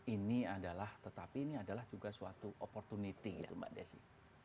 ini adalah tetapi ini adalah juga suatu opportunity gitu mbak desi